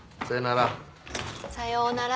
さよなら。